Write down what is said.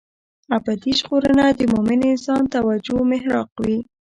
ابدي ژغورنه د مومن انسان توجه محراق وي.